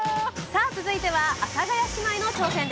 さあ続いては阿佐ヶ谷姉妹の挑戦です。